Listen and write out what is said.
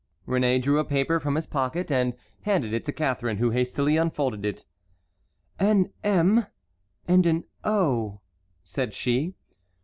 Réné drew a paper from his pocket and handed it to Catharine, who hastily unfolded it. "An m and an o," said she.